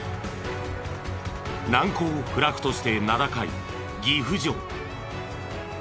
難攻不落として名高い岐阜城。